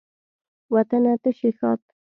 وطنه ته شي ښاد